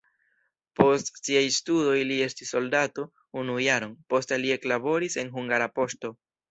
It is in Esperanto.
Post siaj studoj li estis soldato unu jaron, posta li eklaboris en Hungara Poŝto.